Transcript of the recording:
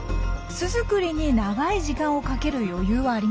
巣作りに長い時間をかける余裕はありません。